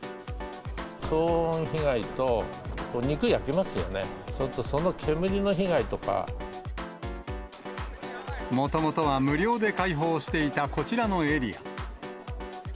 騒音被害と、肉焼きますよね、もともとは無料で開放していたこちらのエリア。